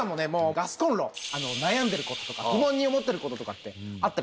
ガスコンロ悩んでる事とか不満に思ってる事とかってあったりします？